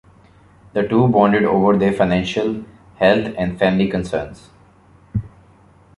The two bonded over their financial, health, and family concerns.